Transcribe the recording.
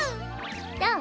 どう？